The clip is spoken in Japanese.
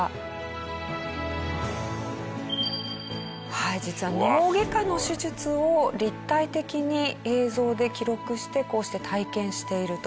はい実は脳外科の手術を立体的に映像で記録してこうして体験していると。